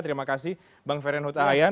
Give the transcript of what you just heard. terima kasih bung feryan hutahayan